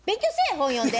本読んで。